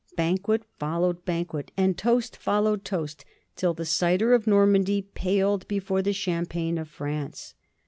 Banquet followed ban quet and toast followed toast, till the cider of Normandy paled before the champagne of France.